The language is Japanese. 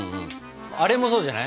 あれもそうじゃない？